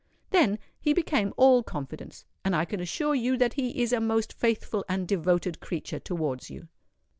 Then he became all confidence; and I can assure you that he is a most faithful and devoted creature towards you."